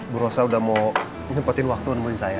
bu rosa udah mau nyepetin waktu nemuin saya